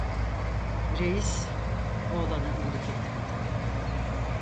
Reis, oğlana iyilik etmedi.